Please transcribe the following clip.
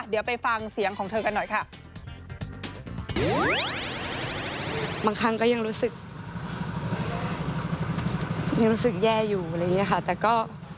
เดี๋ยวไปฟังเสียงของเธอกันหน่อยค่ะ